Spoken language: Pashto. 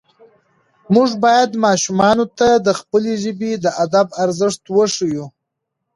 موږ باید ماشومانو ته د خپلې ژبې د ادب ارزښت وښیو